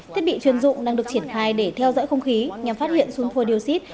thiết bị chuyên dụng đang được triển khai để theo dõi không khí nhằm phát hiện xun thua điều xít